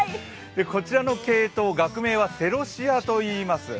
こちらのケイトウ、学名はセロシアといいます。